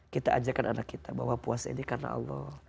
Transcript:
kita ajakkan anak kita bahwa puasa ini karena allah